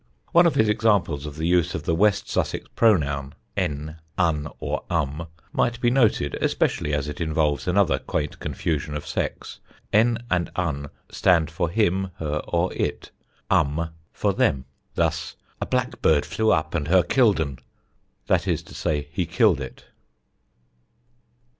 One of his examples of the use of the West Sussex pronoun en, un, or um might be noted, especially as it involves another quaint confusion of sex. En and un stand for him, her or it; um for them. Thus, "a blackbird flew up and her killed 'n"; that is to say, he killed it.